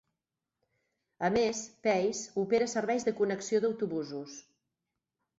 A més, Pace opera serveis de connexió d'autobusos.